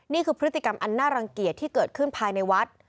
นี่คือพฤติกรรมอันน่ารังเกียจที่เกิดขึ้นภายในวัด